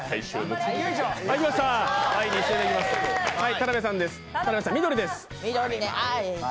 田辺さん、緑です。